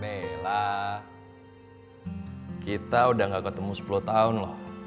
nah kita udah gak ketemu sepuluh tahun loh